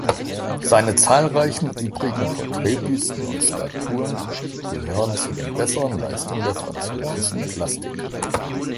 Seine zahlreichen übrigen Porträtbüsten und Statuen gehören zu den bessern Leistungen der französischen Plastik.